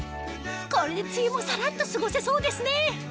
これで梅雨もサラっと過ごせそうですね